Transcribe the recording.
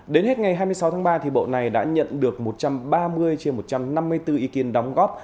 đến hết ngày hai mươi sáu tháng ba bộ này đã nhận được một trăm ba mươi trên một trăm năm mươi bốn ý kiến đóng góp